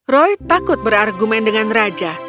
roy takut berargumen dengan raja